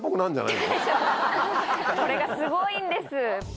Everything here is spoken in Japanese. これがすごいんです。